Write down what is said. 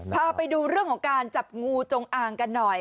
พาไปดูเรื่องของการจับงูจงอางกันหน่อย